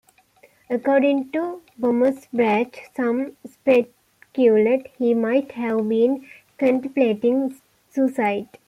According to Bommersbach, some speculate he might have been contemplating suicide.